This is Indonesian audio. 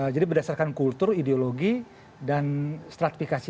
jadi berdasarkan kultur ideologi dan stratifikasi